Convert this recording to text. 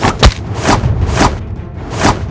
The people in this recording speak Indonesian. tidak ada masalah